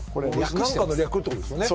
何かの略ってことですよね？